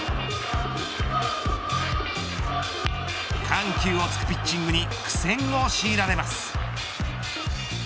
緩急を突くピッチングに苦戦を強いられます。